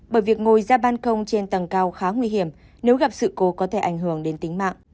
bởi việc ngồi ra ban công trên tầng cao khá nguy hiểm nếu gặp sự cố có thể ảnh hưởng đến tính mạng